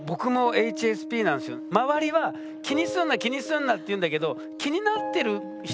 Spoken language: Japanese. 周りは「気にすんな気にすんな」って言うんだけどずっと思ってたんですよ。